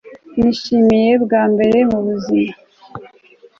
Nishimiye bwa mbere mubuzima